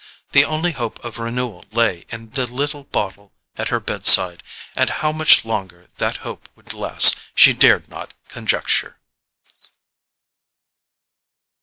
The only hope of renewal lay in the little bottle at her bed side; and how much longer that hope would last she dared not conjecture.